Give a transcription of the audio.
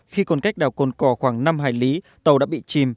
khi còn cách đảo cồn cò khoảng năm hải lý tàu đã bị chìm